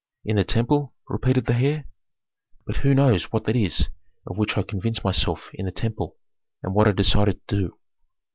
"In the temple?" repeated the heir. "But who knows what that is of which I convinced myself in the temple, and what I decided to do?"